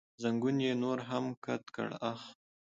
زنګون یې نور هم کت کړ، اخ.